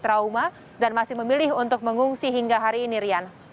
trauma dan masih memilih untuk mengungsi hingga hari ini rian